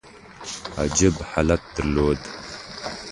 عجیب حالت درلود.